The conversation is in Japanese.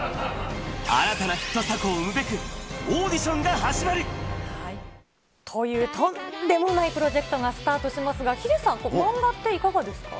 新たなヒット作を生むべくオという、とんでもないプロジェクトがスタートしますが、ヒデさん、漫画っていかがですか？